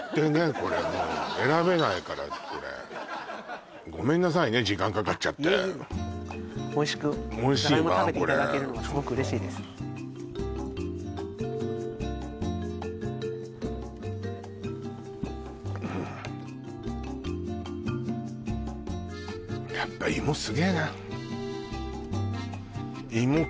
これもう選べないからこれごめんなさいね時間かかっちゃっていえいえおいしくおいしいわこれじゃがいも食べていただけるのがすごく嬉しいですよかったです